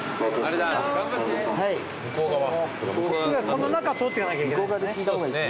この中通ってかなきゃいけないんだね。